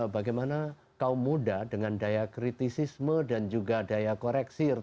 bagaimana kaum muda dengan daya kritisisme dan juga daya koreksi